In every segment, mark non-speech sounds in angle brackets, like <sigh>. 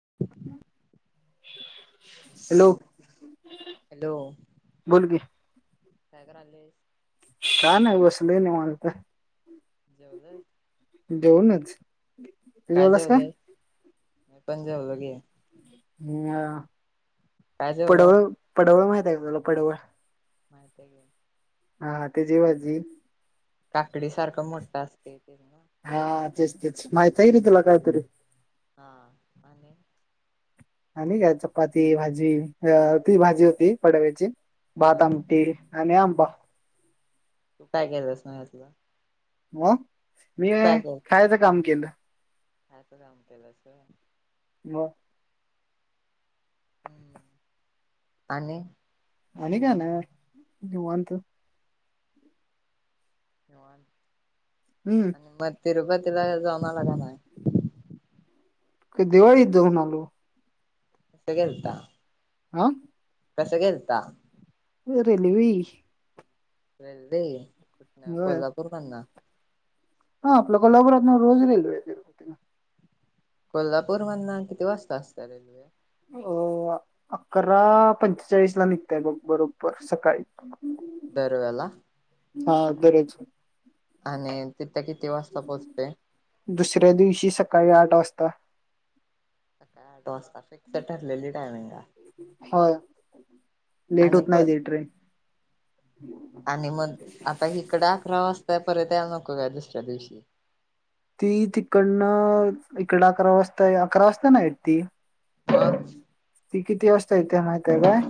Hello. Hello. बोल की काय कराल्यास. काय नाही बसलोय निवांत. जेवलस जेऊनच तू जेवलास काय?. मी पण जेवलो की. ह काय जेवलास पडवळ पडवळ माहित आहे का तुला पडवळ? माहिताय की. हा हा तेजी भाजी काकडी सारखं मोठ असतय ते न्हव. हा तेच तेच माहितीय की तुला कायतरी. हा आणि आणि काय चपाती भाजी अ ती भाजी होती पडव्याची भात हा आमटी आणि आंबा. तू काय केलेस माहिती आहे तुला. हो मी काय खायाचं काम केलं. अस काम केलास व्हय. मग. आणि आणि काय नाही निवांत. निवांत हम्म आणि मग तिरुप ती ला जाऊन आला का नाय? ते दिवाळीत जाऊन आलो. कसं गेलता? आं कसं गेलता? रेल्वे रेल्वे कुठनं होय कोल्हापूरकडंन हा आपल्या कोल्हापुरातनं रोज रेल्वे आहे तिरुपतीला कोल्हापूर मधनं किती वाजता असत्या रेल्वे? अ अकरा पंचेचाळीस ला निघत्या बग बरोबर सकाळी दरवेळेला हा दररोज आणि तिथं किती वाजता पोहोचतय? दुसऱ्या दिवशी सकाळी आठ वाजता. सकाळी आठ वाजता फिक्स ठरलेली टायमिंग का? होय लेट होत नाही ती ट्रेन आणि मग आता हिकडं अकरा वाजता परत याला नको का दुसऱ्या दिवशी ती तिकडनं इकडं अकरा वाजता अकरा वाजता नाही येत ती मग ती किती वाजता इथे माहितय काय?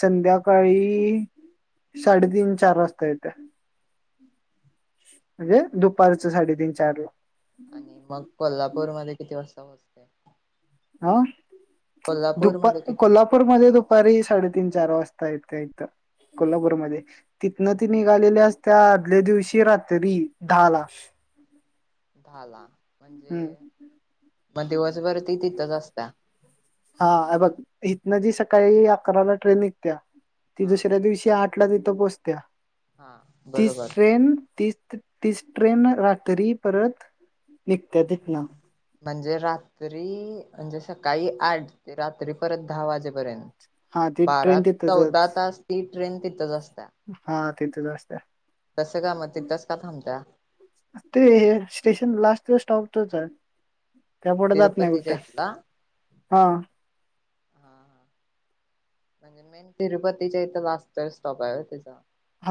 संध्याकाळी साडेतीन चार वाजता येत्या. म्हणजे दुपारचं साडेतीन चार आणि मग कोल्हापूर मध्ये किती वाजता पोहोचते हा दुपा कोल्हापूरमध्ये किती कोल्हापूरमध्ये दुपारी साडेतीन चार वाजता यतयत <unintelligible> कोल्हापूरमध्ये तिथन ती निघालेल्या असत्या आदल्या दिवशी रात्री दहा ला ह <unintelligible> झाला हम्म म्हणजे मग दिवसभरती तिथंच असता हा बघ इथन जी सकाळी अकराला ट्रेन निघत्या, ती हा दुसऱ्या दिवशी आठ तिथ पोहोचत्या हा तीस बरोबर ट्रेन ती तीच ट्रेन रात्री परत निघते तिथत न, म्हणजे रात्री म्हणजे सकाळी आठ ते रात्री परत दहा वाजे बर हा ती बारा ट्रेन चौदा तिथंच तास ती ट्रेन तिथच असते. हा तिथे जास्त तसं का मग तिथच का थांबता. तो स्टॉप तोच, आहे त्या पुढं जात नाही तिरुपतीच्या कुठ्या इथला हा, हा हा म्हणजे मेन तिरुपतीच्या इथं वास्तव स्टॉप आहे तिचा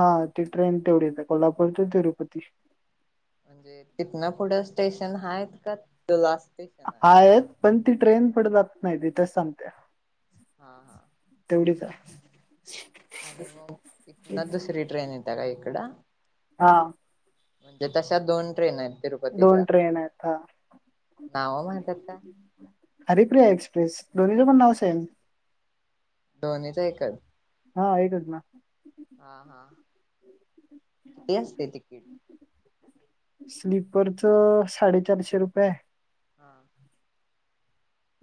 हा ती ट्रेन तेवढीच आहे कोल्हापूर ते तिरुपती म्हणजे तिथनं पुढं स्टेशन हाय का लास्ट हा स्टेशन आहे? आहेत पण ती ट्रेन पुढे जात नाही तिथेच थांबते हा हा एवढ का <unintelligible> आणि मग तिथन दुसरी ट्रेन येते का इकडं हा म्हणजे तशा दोन ट्रेन आहेत दोन तिरुपतीच्या ट्रेन आहेत हा नावं माहित आहेत का? हरिप्रिया एक्सप्रेस दोन्ही पण नाव सेम. दोन्ही <inaudible> हा एकच ना! हा हा किती असते तिकीट स्लीपरच साडेचारशे रुपये आहे हा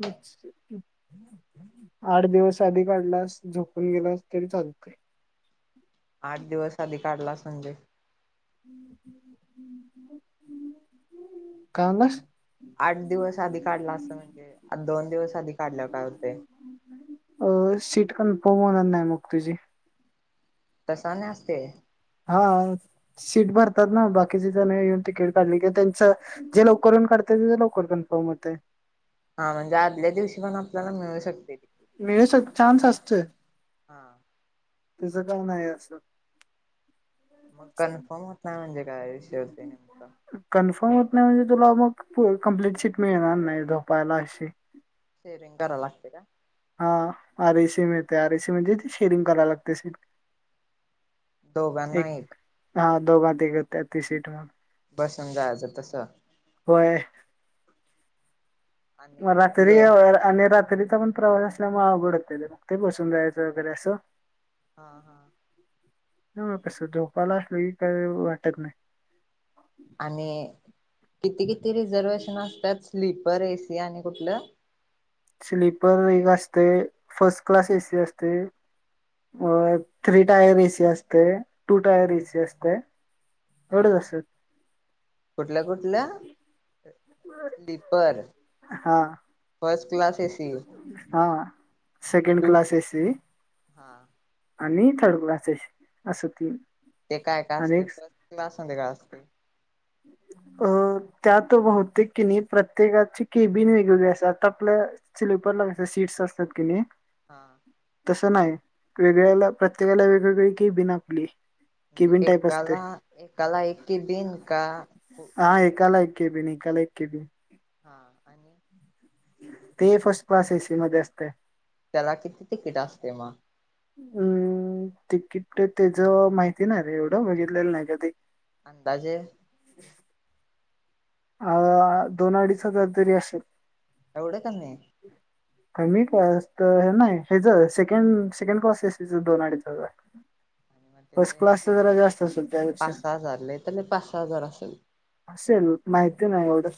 चछ आठ दिवस आधी काढलास झोपून गेलास तरी चालतय आठ दिवस आधी काढला संजय <unintelligible> कागस आठ दिवस आधी काढला असं म्हणजे आ दोन दिवस आधी काढलं काय होते अ सीट कन्फर्म होणार नाही मग तुझी, तसा न अ हा सीट भरतात ना बाकीचे जण येऊन तिकीट काढली की त्यांच जे लवकरून काढत लवकर कन्फर्म होते. हा म्हणजे आदल्या दिवशी पण आपल्याला मिळू शकते तिकीट. मिळे एक चान्स असतय. हा तुझ काउन आहे असं मग कन्फर्म होत नाही म्हणजे काय विषय होते नेमका कन्फर्म हो नाही म्हणजे तुला मग कंप्लीट शीट मिळणार नाही झोपायला अशी डेरींग धरा लागते का हा आर एसी मिळते आर एसी म्हणजे ते शेरिंग करायला लागते से, दोघांना एक हा दोघांात घते ती सीट मग बसून जायचं तस, होय आणि मला तरी ल या वर आले रात कधी तर आपण प्रवास असल्यामुळे अवघड हो मग ते बसून जायचं वगैरे असं हा हा हम् मग कस झोपाला असलं का वाटत नाही आणि किती किती रिझर्वेशन असतात स्लीपर एसी आणि कुठलं स्लीपर एक असते फर्स्ट क्लास एसी असते अ थ्री टायर एसी असते टू टायर एसी असते हा एवढंच असत कुठल्या कुठल्या स्लीपर हा फर्स्ट क्लास एसी हा सेकंड टू क्लास एस हा आणि थर्ड क्लास असं तीन ते काय काय आणि असते एक फस्ट क्लासते काय असते अ त्यात बहुतेक कि नाही प्रत्येकाची केबिन वेगवेगळी अस आ त आपल्याि ग सीट्स असतात कि नाही हा तसं नाही वेगळ्याला प्रत्येकाला वेगवेगळी कि बिना आपुली म्हणजे एक कला एक कला एकी दिन का एक के बी न कााल केे ब हा आणि ते फर्स्ट क्लास एसी मध्ये असते चला किती टिकट असते म हम् तिकीट त्याच माहिती नाही रे एवढं बघितलेलं नाही कधी अंदाजे ह अ दोन अडीच हजार तरी असेल एवढ कनी कमी क तर नाही हेच सेकंड सेकंड प्रॉसेस दोन अडीच आहे आणि मग फर्स्ट त्याचे क्लास तर जरा जास्त असेल त्यापेक्षा पाच सहा हजार लय तर लय पाच सहा हजार असेल असेल माहिती नाही एवढं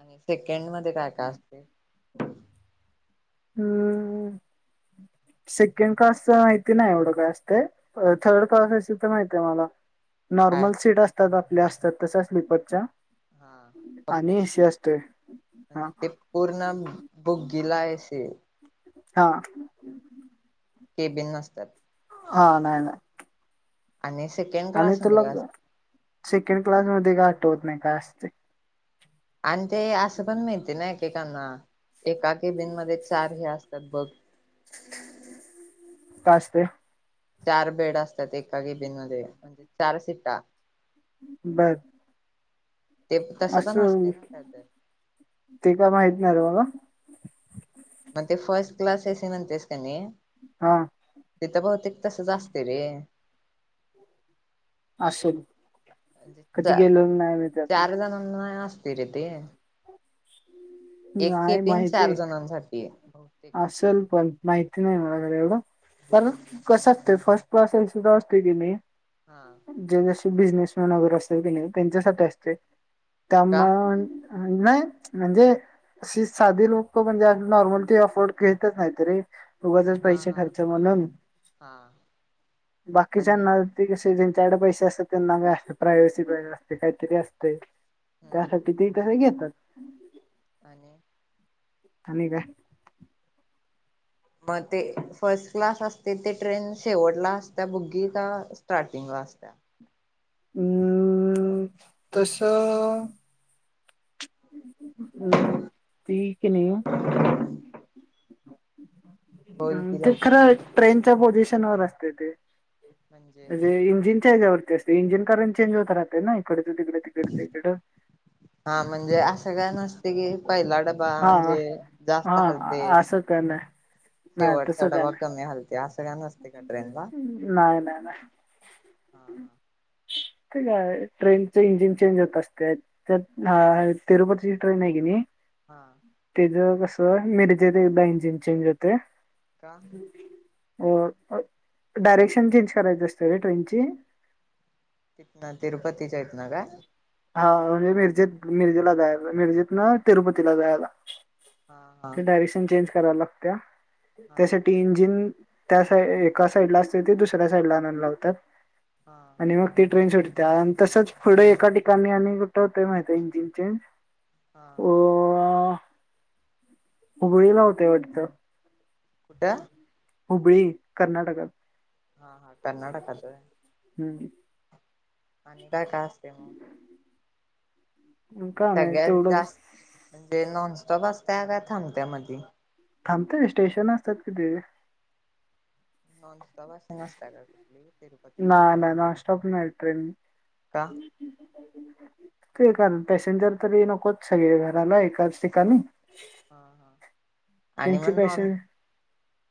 आणि सेकंड मध्ये काय काय असते हम्म सेकंड क्लासच माहिती नाही एवढं काय असत थर्ड क्लास तर माहती आहे मला काय नॉर्मल सीट असतात आपल्या असतात तश स्लीपरच्या हा फक्त आणि स एसी असतेय म्हणजे ते पूर्ण बुगीलाय अस हा केबिन नसतात हा नाहीय ना आणि सेकंड आणि क्लास मध्ये तुला काय सेकंड क्लास मध्ये का आठवत नाही का अस ते आणि ते असं पण माहिती आहे ना ेकांना एका केबिन मध्ये चार हे असतात बघ काच ते चार बेड असतात एका केबिन मध्ये म्हणजे चार सिटा बर ते तसं पण असं असते ना काय तर ते काय माहित नाही र मला म ते फस्ट क्लास अससमंत तेसकनी हा ते तर बहुतेक तस जा असते रे असेल कधी म्हणजे गेलं नाही मिे त्यातन ना फिर ते आहे एक के तीन चार जणांसाठी बहुतेक असल पण माहिती नाही मला घर एवढं तर कसं असत फर्स्ट क्लासल सुद्धा असते की नाहीी हा जे जशी बिझनेसमॅन वगैरे असेल की नाही त्यांच्यासाठी असते त्यामु का नाही म्हणजे अशी साधी लोक म्हणजे नॉर्मलटी ऑफ फोड केतातयत ररी उगचच हा पैसे हा खर्च म्हणून हा आणि बाकीच्याना ते कसे पैसे असतात त्यांना प्रायवेसी असते काहीतरी असते हम्म त्यासाठी ते तसे घेतात आणि आणि का मग ते फर्स्ट क्लास असते ते ट्रेन शेवटला असत बुगी का स्टार्टिंग वास्ता अम् तस अम् ठीक नाही बोल की त लवकर ट्रेन पिशन व अस ते म्हणजे म्ह इंजिच्यावर इंजिन करून चेंज होत राहत ना इकडच तिकडे तिकडच इकडं हा म्हणजे असं काय नसते कि पहिला डबा हा म्हणजे जास्त हलते हा असं का ना नाही शेवटचा तसं काय डवा कमी हलत नाही नाही हा नाही हा ते काय ट्रेनच इंजिन चेंज होत असते तिरुपतीची ट्रेन आहे की नाही हा तेच कस मिेरज एकदा इंजिन चेंज होते का डायरेक्शन चेंज करायच असत रे ट्रेनची तन तिरुपतीच्या इत ना का हा म्हणजे मिर्जेत मिर्जेला जायला मिर्जेत ना तिरुपतीला जायला हा हा ते डायरेक्शन चेंज कराव लागत हा त्यासाठी इंजिन त्या साईड एका साईड ला असते ते दुसऱ्या साईड ला आणून लावतात हा आणि मग ती ट्रेन सुटते त्यान तसच पुढे एका ठिकाणी आणि कुठं होतं माहित इंजिन चेंज हा उगळी ला होतेवटच कुठं हुबळी कर्नाटकात हा हा कर्नाटकात आहे हम्म आणि काय काय असते मग हम्म सगळ्यात जास्त म्हणजे नॉनस्टॉप असत का थांबत्या म थांबतेय स्टेशन असतात किती ह प्रवाास नसता का कुठली तिरुपतीला ना ना ना स्टॉप नाही ट्रेन का ते कारण पॅसेंजर तरी नकोच सगळे घराला एकाच ठिकाणी हा हा आणि मग ट्रेनची नॉन पॅसेंजर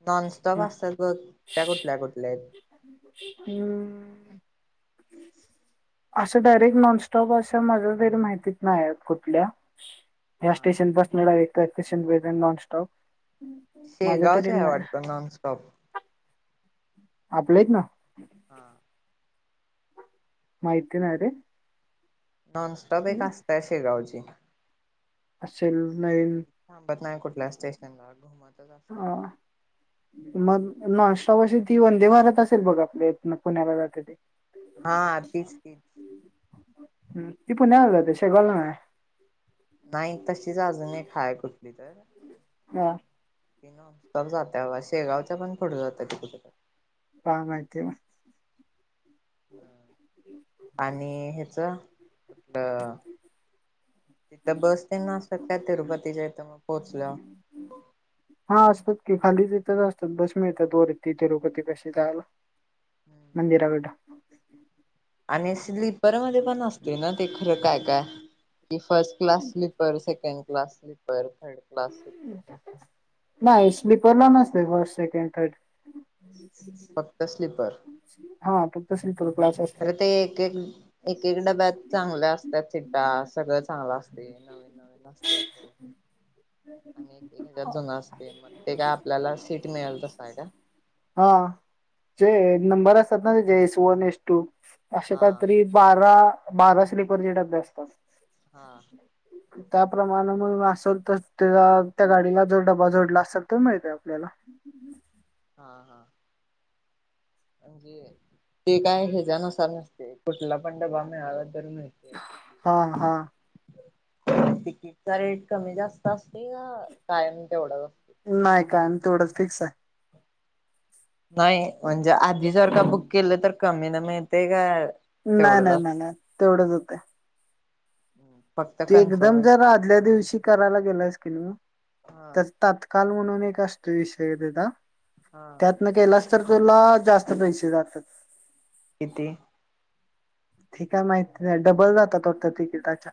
नॉनस्टॉप असतात ग त्या कुठल्या कुठल्या हम् असं डायरेक्ट नॉनस्टॉप असा माझ्या तरी माहितीत नाहीय फुटल्या या हा स्टेशन बस नळ येत सेशन ब नाॉन स्टॉप शे गावच्याय वाटतं नॉनस्टॉप आपलंच ना हा माहिती ना रे नॉनस्टॉप एक असतय शेगावची आसेल. थांबत नाही कुठल्या स्टेशन वर म हा मग नॉनस्टॉप अशी ती वंदे भारत आसेल बघ आपल्या इथनं पुण्याला जाते ती. हा तीच तीच. हम्म ती पुण्याला जाते शेगांव ला नाय. नाही तशीच अजून एक हाय कुठली तर हा. ती नॉनस्टॉप जात्या बघा शेगावच्या पण पुढं जातय तिकडे काय माहितीय म आणि ह्याच अं तिथं बस ते न असत्यात काय तिरुपतीच्या इथं पोहोचल्याव. हा असत्यात की, खाली तिथं च असत्यात, बस मिळत्यात खाली वर तिरुपती पाशी जायला हम्म. मंदिरा कडं आणि स्लीपर मध्ये पण असते ना काय काय कि first class sleeper, second class sleeper third class sleeper नाही स्लीपर ला नसतय फर्स्ट, सेकंड, थर्ड. फक्त स्लीपर. हा फक्त <unintelligible> असते. अरे ते एक एक एक एक डब्यात चांगल्या असत्यात सिटा सगळं चांगल असतय. नवीन नवीन असत्यात आणि <unintelligible> असतय म ते काय आपल्याला सीट मिळेल तसं आहे काय हा जे <unintelligible> नंबर असतात ना त्याचे एस वन, एस टू असे हा काहीतरी बारा बारा स्लीपर चे डब्बे असतात. हा. त्या प्रमाण म आसंल तर त्या त्या गाडीला जो डबा जोडला आसलं तो मिळतय आपल्याला. रिकामा ऑडिओ हा हा. म्हणजे ते काय ह्याच्यानुसार नसतय कुठला पण डबा मिळाला तर मिळते हा हा. तिकीटचा रेट कमी जास्त असतोय या कायम तेवढाच अस नाही कायम तेवढंच फिक्स हाय नाही, म्हणजे आधी जर का बुक केलं तर कमी न मिळतय का? नाय तेवढंच नाय असत? नाय नाय तेवढंच हुतय फक्त ते एकदम जर कन्फर्मेशन आदल्या दिवशी करायला गेलास किनी हा तर तात्का <unintelligible> म्हणून एक आसतोय विषय तेचा हा त्यातन केलास तर तुला आ जास्त पैसे जात्यात. किती? ते काय माहिती नाय डबल जातात वाटतं तिकीटाच्या.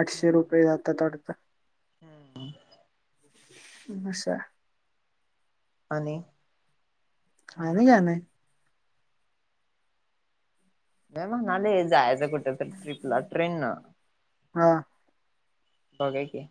आठशे रुपये जातात वाटतं हम्म <unintelligible> आणि आणि काय नाही नाही म्हणालोय जायचं कुठं तर ट्रिपला ट्रेन न हा बघा की